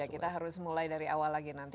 kita harus mulai dari awal lagi nanti